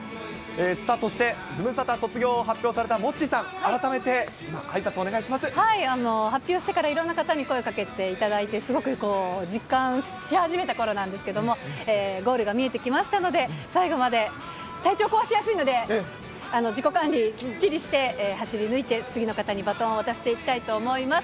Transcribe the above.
さあ、そしてズムサタ卒業を発表されたモッチーさん、改めて、発表してからいろんな方に声かけていただいて、すごく実感し始めたころなんですけれども、ゴールが見えてきましたので、最後まで体調壊しやすいので、自己管理、きっちりして、走り抜いて、次の方にバトンを渡していきたいと思います。